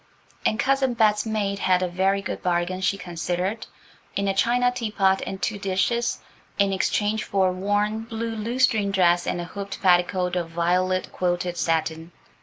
And Cousin Bet's maid had a very good bargain, she considered, in a china teapot and two dishes, in exchange for a worn, blue lutestring dress and a hooped petticoat of violet quilted satin.